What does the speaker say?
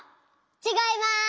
ちがいます。